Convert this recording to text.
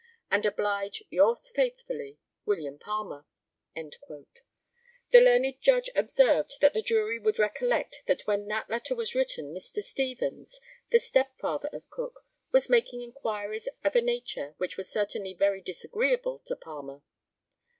"And oblige yours faithfully, "WILLIAM PALMER." the learned Judge observed that the jury would recollect that when that letter was written Mr. Stevens, the stepfather of Cook, was making inquiries of a nature which were certainly very disagreeable to Palmer.